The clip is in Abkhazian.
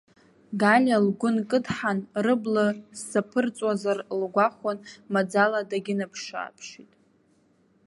Галиа лгәы нкыдҳан, рыбла сзаԥырҵуазар лгәахәын, маӡала дагьынаԥшыааԥшит.